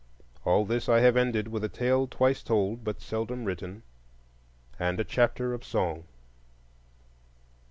All this I have ended with a tale twice told but seldom written, and a chapter of song.